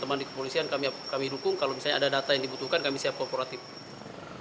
serta pemilihan legislatif yang tengah berlangsung